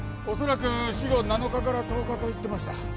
おそらく死後７日から１０日と言ってました